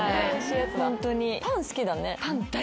パン好きだね。